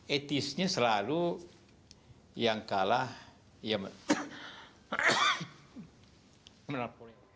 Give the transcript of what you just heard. etisnya selalu yang kalah yang menang